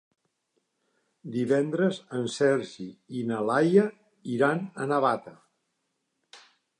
Divendres en Sergi i na Laia iran a Navata.